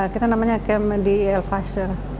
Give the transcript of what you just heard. kita namanya camp di al fasyir